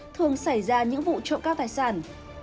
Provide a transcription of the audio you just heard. thường xảy ra những vụ trộm các tài sản